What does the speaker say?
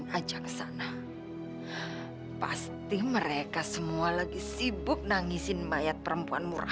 nggak usah banyak tanya